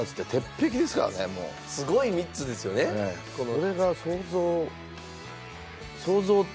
それが想像。